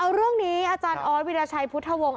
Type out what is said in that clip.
เอาเรื่องนี้อาจารย์ออสวิราชัยพุทธวงศ์